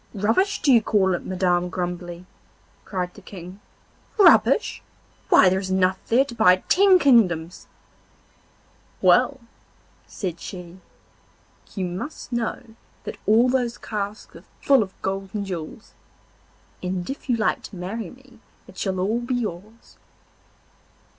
'Rubbish, do you call it, Madam Grumbly?' cried the King. 'Rubbish! why there is enough there to buy ten kingdoms.' 'Well,' said she, 'you must know that all those casks are full of gold and jewels, and if you like to marry me it shall all be yours.